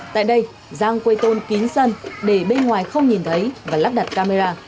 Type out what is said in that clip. tại đây giang quây tôn kín sân để bên ngoài không nhìn thấy và lắp đặt camera